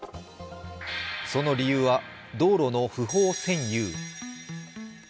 その理由は、道路の不法占有。